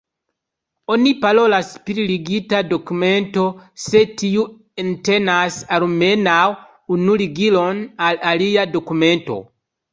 Oni parolas pri ligita dokumento, se tiu entenas almenaŭ unu ligilon al alia dokumento.